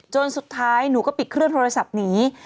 สุดท้ายหนูก็ปิดเครื่องโทรศัพท์หนี